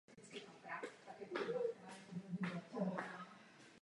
Bylo smutné poslouchat reakci Rady na naše důležité požadavky.